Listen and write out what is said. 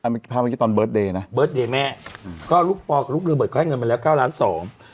เอาได้ตอนเบิสเตอร์นะเบิสเตอร์แม่ก็ลูกปอกกระลุกเบิกเส้งเงินมาแล้วเก้าร้านสอง